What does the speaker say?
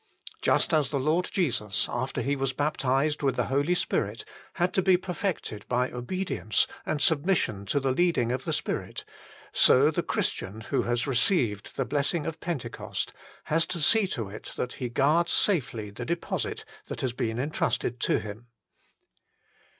Just as the Lord Jesus after He was baptized with the Holy Spirit had to be perfected by obedience and submission to the leading of the Spirit, so 92 HOW IT MAY BE KEPT 93 the Christian who has received the blessing of Pentecost has to see to it that he guards safely the deposit that has been intrusted to him.